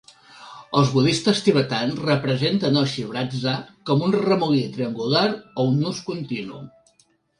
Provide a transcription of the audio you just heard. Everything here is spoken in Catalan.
Els budistes tibetans representen el shrivatsa com un remolí triangular o un nus continu.